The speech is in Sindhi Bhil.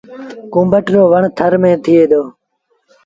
ڪُونڀٽ رو وڻ ٿر ميݩ ٿئي دو۔